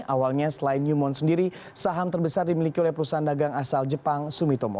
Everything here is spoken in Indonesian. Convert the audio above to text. awalnya selain newmont sendiri saham terbesar dimiliki oleh perusahaan dagang asal jepang sumitomo